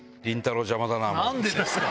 何でですか！